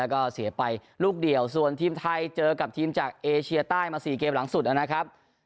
แล้วก็เสียไปลูกเดียวส่วนทีมไทยเจอกับทีมจากเอเชียใต้มา๔เกมหลังสุดนะครับ